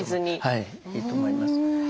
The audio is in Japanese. はいいいと思います。